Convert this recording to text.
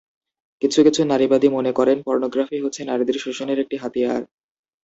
কিছু কিছু নারীবাদী মনে করেন পর্নোগ্রাফি হচ্ছে নারীদের শোষণের একটি হাতিয়ার।